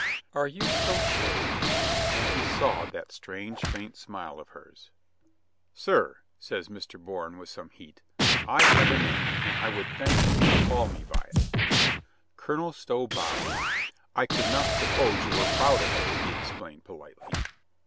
"Are you so sure?" and he saw that strange faint smile of hers. MR. BOURNE IS SORRY in "Sir," says Mr. Bourne with some heat, "I have a name, and I would thank you to call me by it" Colonel Stow bowed. "I could not suppose you were proud of it," he explained politely.